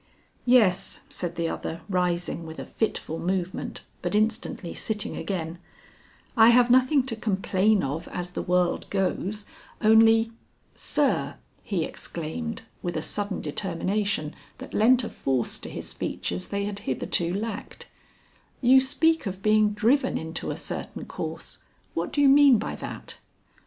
"Yes," said the other rising with a fitful movement but instantly sitting again; "I have nothing to complain of as the world goes, only Sir," he exclaimed with a sudden determination that lent a force to his features they had hitherto lacked, "you speak of being driven into a certain course; what do you mean by that?"